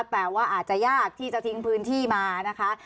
แต่ว่าอาจจะยากที่จะทิ้งพื้นที่มานะคะ